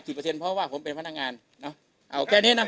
กี่เปอร์เซ็นต์เพราะว่าผมเป็นพนักงานเนอะเอาแก้เนี้ยนะหะถึง